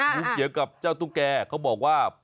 งูเขียวกับเจ้าตุ๊กแกเขาบอกว่า